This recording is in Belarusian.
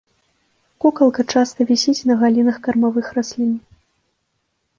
Кукалка часта вісіць на галінах кармавых раслін.